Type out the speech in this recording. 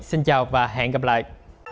xin chào và hẹn gặp lại